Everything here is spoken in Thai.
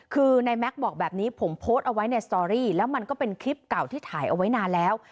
คือในแม็กซ์บอกแบบนี้ผมโพสต์เอาไว้ในสตอรี่แล้วมันก็เป็นคลิปเก่าที่ถ่ายเอาไว้นานแล้ว